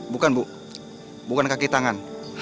bukan bu bukan kaki tangan